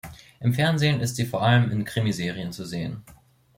Im Fernsehen ist sie vor allem in Krimiserien zu sehen.